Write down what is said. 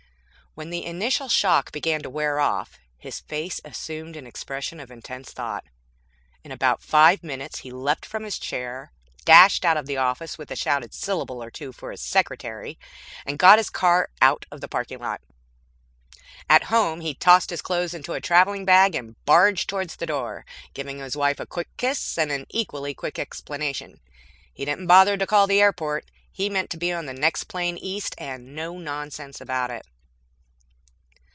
When the initial shock began to wear off, his face assumed an expression of intense thought. In about five minutes he leaped from his chair, dashed out of the office with a shouted syllable or two for his secretary, and got his car out of the parking lot. At home, he tossed clothes into a travelling bag and barged toward the door, giving his wife a quick kiss and an equally quick explanation. He didn't bother to call the airport. He meant to be on the next plane east, and no nonsense about it....